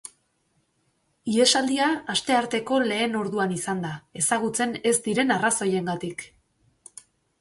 Ihesaldia astearteko lehen orduan izan da, ezagutzen ez diren arrazoiengatik.